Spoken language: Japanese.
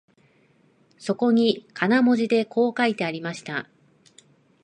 そこに金文字でこう書いてありました